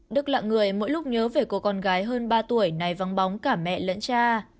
đức là người mỗi lúc nhớ về cô con gái hơn ba tuổi này vắng bóng cả mẹ lẫn cha